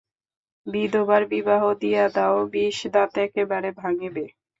বিধবার বিবাহ দিয়া দাও–বিষদাঁত একেবারে ভাঙিবে।